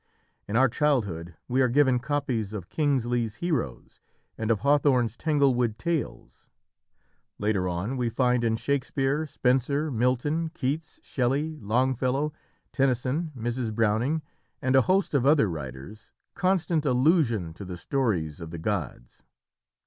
In our childhood we are given copies of Kingsley's Heroes and of Hawthorne's Tanglewood Tales. Later on, we find in Shakespeare, Spenser, Milton, Keats, Shelley, Longfellow, Tennyson, Mrs. Browning, and a host of other writers, constant allusion to the stories of the gods.